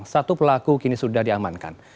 satu pelaku kini sudah diamankan